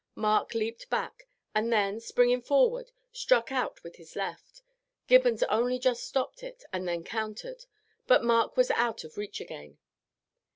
Mark leaped back, and then, springing forward, struck out with his left; Gibbons only just stopped it and then countered, but Mark was out of reach again.